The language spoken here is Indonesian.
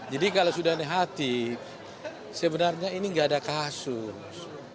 jadi kalau sudah nih hati sebenarnya ini nggak ada kasus